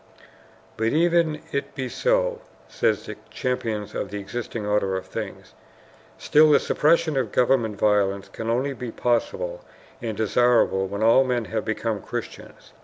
"But even it be so," say the champions of the existing order of things, "still the suppression of government violence can only be possible and desirable when all men have become Christians.